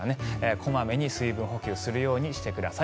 小まめに水分補給するようにしてください。